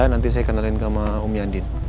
nanti saya kenalin sama om yandin